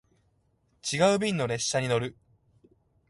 違う便の列車に乗る